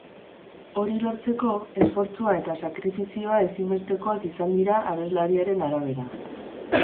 Hori lortzeko, esfortzua eta sakrifizioa ezinbestekoak izan dira, abeslariaren arabera.